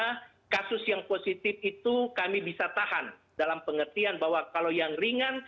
karena kasus yang positif itu kami bisa tahan dalam pengertian bahwa kalau yang ringan